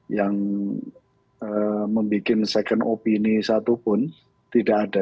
yang membuat second opinion satupun tidak ada